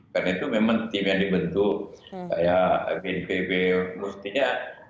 karena itu memang tim yang dibentuk kayak bnpb mestinya